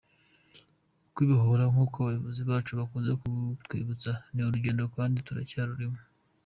Kwibohora, nk’uko abayobozi bacu bakunze kubitwibutsa, ni urugendo kandi turacyarurimo.